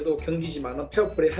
kita harus berusaha untuk berusaha